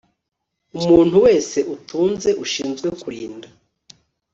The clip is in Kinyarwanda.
umuntu wese utunze ushinzwe kurinda